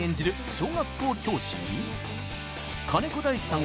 小学校教師に金子大地さん